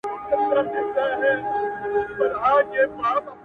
o هغه نجلۍ اوس وه خپل سپین اوربل ته رنگ ورکوي ـ